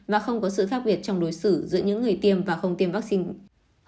và không có sự khác biệt trong đối xử giữa những người tiêm và không tiêm vaccine